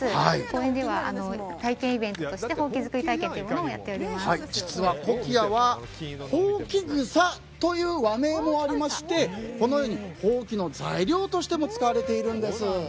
公園では体験イベントとしてほうき作り体験を実はコキアはホウキグサという和名もありましてこのようにほうきの材料としても使われているんです。